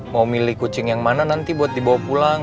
mau milih kucing yang mana nanti buat dibawa pulang